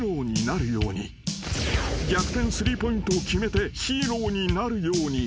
［逆転スリーポイントを決めてヒーローになるように］